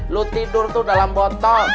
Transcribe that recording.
lu tidur tuh dalam botol